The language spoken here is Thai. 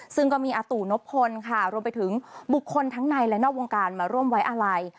ซึ่งก็มีอาตู่นพลค่ะรวมไปถึงบุคคลทั้งในและนอกวงการมาร่วมไว้อาลัย